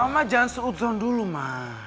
mama jangan seutron dulu ma